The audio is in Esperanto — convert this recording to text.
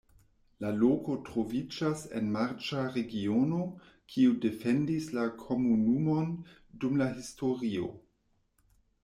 La loko troviĝas en marĉa regiono, kiu defendis la komunumon dum la historio.